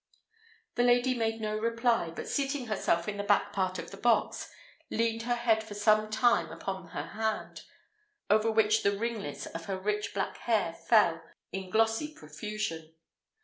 The lady made no reply; but, seating herself in the back part of the box, leaned her head for some time upon her hand, over which the ringlets of her rich black hair fell in glossy profusion.